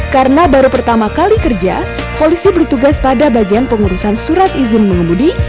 karena baru pertama kali kerja polisi bertugas pada bagian pengurusan surat izin mengemudi